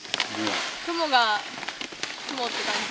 雲が雲って感じ。